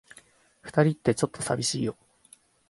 二人って、ちょっと寂しいよ。